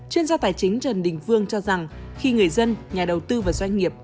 chuyên gia tài chính trần đình vương cho rằng khi người dân nhà đầu tư và doanh nghiệp